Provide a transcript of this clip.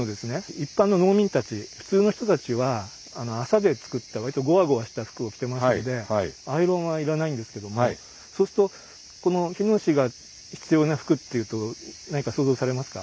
一般の農民たち普通の人たちは麻で作った割とゴワゴワした服を着てましたのでアイロンはいらないんですけどもそうするとこの火のしが必要な服っていうと何か想像されますか？